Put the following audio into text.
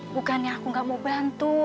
bukannya aku nggak mau bantu